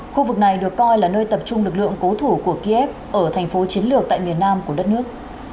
khu vực này được coi là nơi tập trung lực lượng cố thủ của kiev ở thành phố chiến lược tại miền nam của đất nước